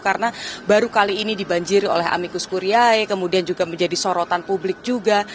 karena baru kali ini dibanjiri oleh amicus kuriae kemudian juga menjadi sorotan publik juga